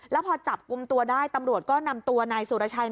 แล้วพอจับกลุ่มตัวได้ตำรวจก็นำตัวนายสุรชัย